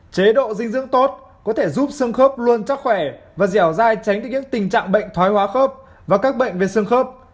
chế độ dinh dưỡng tốt có thể giúp xương khớp luôn chắc khỏe và dẻo dai tránh được những tình trạng bệnh thói hóa khớp và các bệnh về xương khớp